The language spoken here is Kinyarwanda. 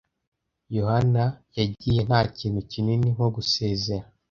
Yohana yagiye nta kintu kinini nko gusezera.